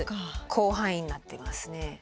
広範囲になってますね。